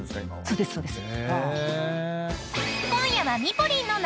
そうですそうです。